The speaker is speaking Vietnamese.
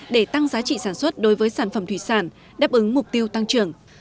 để tăng giá trị sản xuất đối với sản phẩm thủy sản đáp ứng mục tiêu tăng trưởng